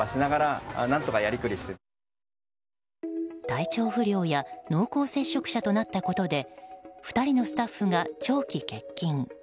体調不良や濃厚接触者となったことで２人のスタッフが長期欠勤。